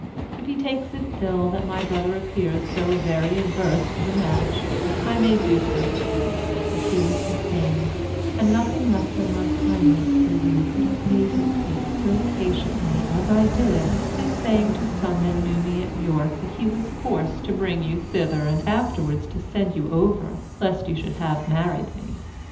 If he takes it ill that my brother appears so very averse to the match, I may do so too, that he was the same; and nothing less than my kindness for you could have made me take so patiently as I did his saying to some that knew me at York that he was forced to bring you thither and afterwards to send you over lest you should have married me.